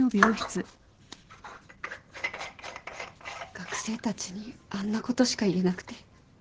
学生たちにあんなことしか言えなくて。